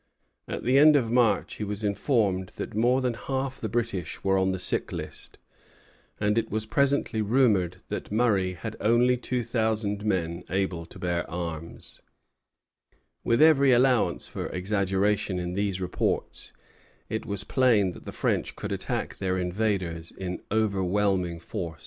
At the end of March he was informed that more than half the British were on the sick list; and it was presently rumored that Murray had only two thousand men able to bear arms. With every allowance for exaggeration in these reports, it was plain that the French could attack their invaders in overwhelming force. Vaudreuil au Ministre, 30 Oct.